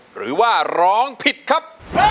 หรือว่าร้องผิดครับ